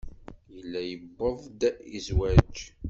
Yella yuweḍ-d i zzwaj.